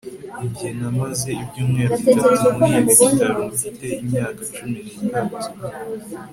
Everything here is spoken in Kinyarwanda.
Njye namaze ibyumweru bitatu muri ibi bitaro mfite imyaka cumi nitatu